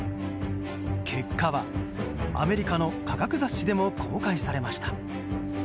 結果は、アメリカの科学雑誌でも公開されました。